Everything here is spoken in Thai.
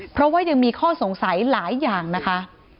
เพราะว่ายังมีข้อสงสัยหลายอย่างนะคะ